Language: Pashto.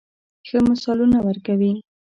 ښه مثالونه ورکوي.